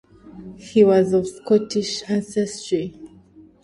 He was of Scottish ancestry.